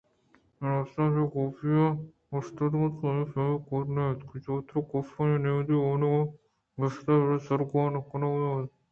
بناربس پہ بے گویاکی اوشتوک اَت ءُآئی ءِ پیم کار ءَ نہ اَت کہ چتور کاف آئی ءِ نمدی ءِ وانگ ءَ گیشتر بِرّ ءُ سرگنوک کُتگ اَت